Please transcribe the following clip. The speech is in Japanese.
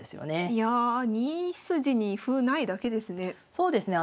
いや２筋に歩ないだけですね。